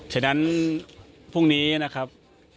ฉะนั้นพรุ่งนี้นะครับ